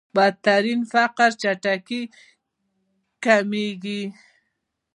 بدترين فقر چټکۍ کمېږي.